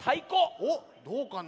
おっどうかな？